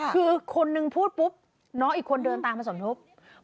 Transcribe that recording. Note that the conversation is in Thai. คือคนนึงพูดปุ๊บน้องอีกคนเดินตามมาสมทบ